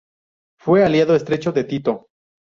Fue aliado estrecho de Tito.